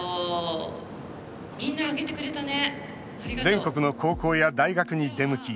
全国の高校や大学に出向き